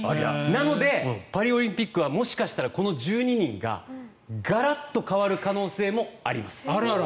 なので、パリオリンピックはもしかしたらこの１２人がガラッと変わる可能性もあります。